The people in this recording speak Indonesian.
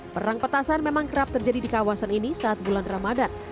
perang petasan memang kerap terjadi di kawasan ini saat bulan ramadan